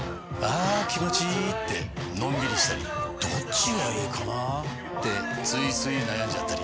あ気持ちいいってのんびりしたりどっちがいいかなってついつい悩んじゃったり。